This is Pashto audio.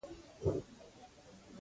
نیم ولس پر مومن خان باندې ودرېد.